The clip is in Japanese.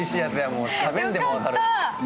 もう食べんでも分かる。